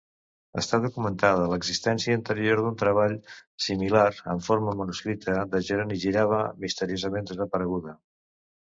Està documentada l’existència anterior d’un treball similar en forma manuscrita de Jeroni Girava, misteriosament desapareguda.